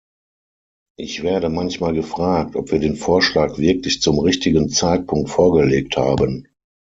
Ich werde manchmal gefragt, ob wir den Vorschlag wirklich zum richtigen Zeitpunkt vorgelegt haben.